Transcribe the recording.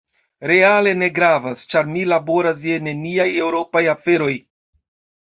Reale ne gravas, ĉar mi laboras je neniaj eŭropaj aferoj.